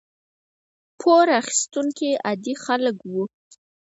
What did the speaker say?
پور اخیستونکي عادي خلک وو.